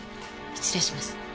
失礼します。